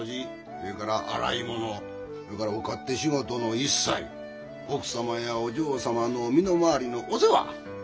それから洗い物それからお勝手仕事の一切奥様やお嬢様の身の回りのお世話。